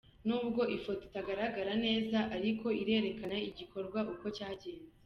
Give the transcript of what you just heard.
N'ubwo ifoto itagaragara neza ariko irerekana igikorwa uko cyagenze.